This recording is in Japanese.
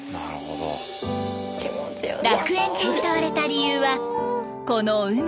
楽園とうたわれた理由はこの海。